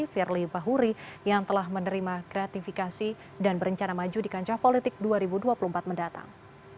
firly bahuri yang telah menerima gratifikasi dan berencana maju di kancah politik dua ribu dua puluh empat mendatang